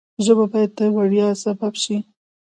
ژبه باید د ویاړ سبب وي.